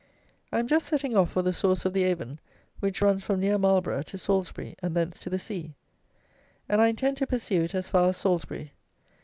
I am just setting off for the source of the Avon, which runs from near Marlborough to Salisbury, and thence to the sea; and I intend to pursue it as far as Salisbury.